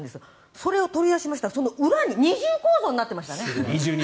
それを取り出しましたらその裏に二重構造になってましたね。